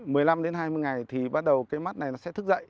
mười lăm đến hai mươi ngày thì bắt đầu cái mắt này nó sẽ thức dậy